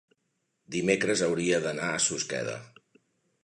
dimecres hauria d'anar a Susqueda.